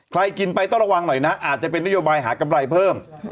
กินไปต้องระวังหน่อยนะอาจจะเป็นนโยบายหากำไรเพิ่ม